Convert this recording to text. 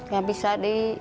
ya bisa di